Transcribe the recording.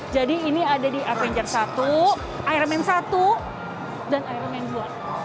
jadi ini ada di avengers satu iron man satu dan iron man dua